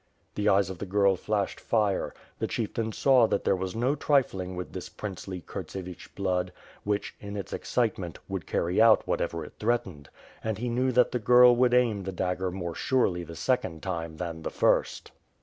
The eyes of the girl flashed fire. The chieftain saw that there was no trifling with this princely Kurtsevich blood, which, in its excitement, would carry out whatever it threat ened; and he knew that the girl would aim the dagger more surely the second time than the first.